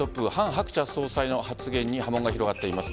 ・ハクチャ総裁の発言に波紋が広がっています。